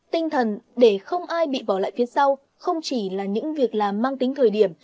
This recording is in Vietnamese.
tinh thần để không ai bị bỏ lại phía sau không chỉ là những việc làm mang tính thời điểm